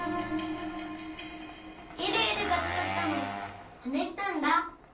えるえるがつくったのをまねしたんだ。